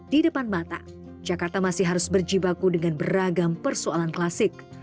di depan mata jakarta masih harus berjibaku dengan beragam persoalan klasik